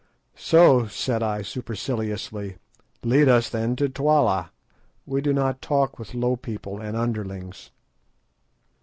"So," said I superciliously, "lead us then to Twala. We do not talk with low people and underlings."